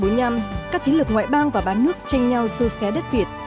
năm một nghìn chín trăm bốn mươi năm các tín lực ngoại bang và bán nước tranh nhau xô xé đất việt